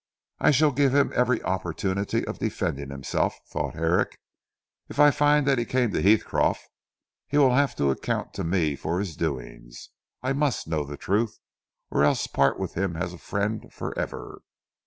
"I shall give him every opportunity of defending himself," thought Herrick. "If I find that he came to Heathcroft, he will have to account to me for his doings. I must know the truth, or else part with him as a friend for ever."